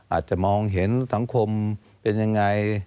อาจจะมองเห็นสังคมเป็นยังไง